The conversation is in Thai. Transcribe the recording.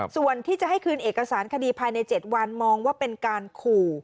ส่วนที่จะให้คืนเอกสารคดีภายใน๗วันมองว่าเป็นการขู่